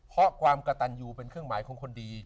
เพราะความกระตันยูเป็นเครื่องหมายของคนดี